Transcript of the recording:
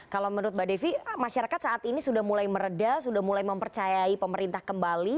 kalau menurut mbak devi masyarakat saat ini sudah mulai meredah sudah mulai mempercayai pemerintah kembali